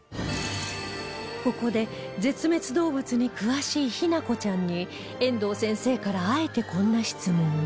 ここで絶滅動物に詳しい日菜子ちゃんに遠藤先生からあえてこんな質問が